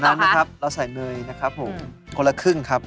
น้ำนะครับเราใส่เนยนะครับผมคนละครึ่งครับ